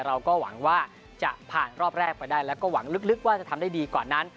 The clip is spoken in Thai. เราก็หวังว่าจะผ่านรอบแรกไปได้แล้วก็หวังลึกว่าจะทำได้ดีกว่านั้น